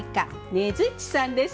ねづっちさんです。